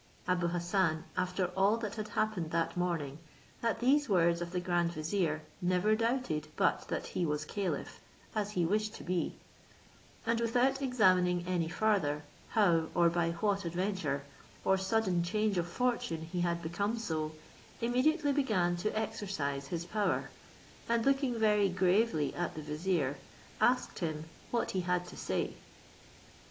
Abou Hassan, after all that had happened that morning, at these words of the grand vizier, never doubted but that he was caliph, as he wished to be; and without examining any farther, how or by what adventure, or sudden change of fortune, he had become so, immediately began to exercise his power, and looking very gravely at the vizier, asked him what he had to say?